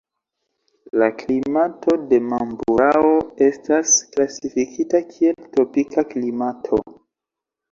La klimato de Mamburao estas klasifikita kiel tropika klimato.